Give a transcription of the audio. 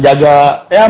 jangan sampai sakit